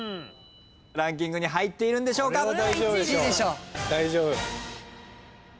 ランキングに入っているんでしょうか？